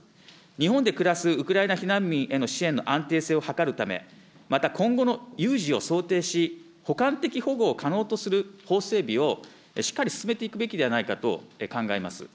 日本で暮らすウクライナ避難民への支援の安定性を図るため、また今後の有事を想定し、補完的保護を可能とする法整備をしっかり進めていくべきではないかと考えます。